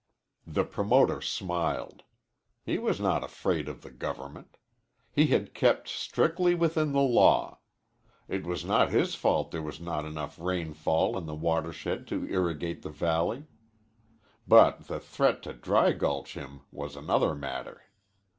The promoter smiled. He was not afraid of the Government. He had kept strictly within the law. It was not his fault there was not enough rainfall in the watershed to irrigate the valley. But the threat to dry gulch him was another matter.